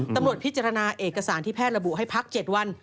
ตำรวจพิจารณาเอกสารที่แพทย์ระบุให้พัก๗วัน